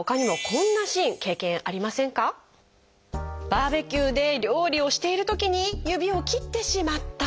バーベキューで料理をしているときに指を切ってしまった。